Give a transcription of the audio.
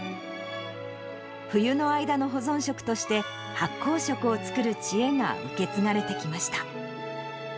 冬の間の保存食として、発酵食を作る知恵が受け継がれてきました。